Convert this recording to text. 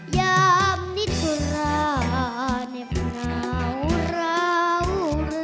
ยามนี้ทุลาเน็บหนาวเราหรือดี